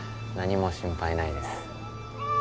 何も心配ないです。